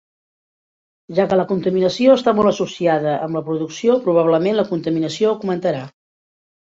Ja que la contaminació està molt associada amb la producció, probablement la contaminació augmentarà.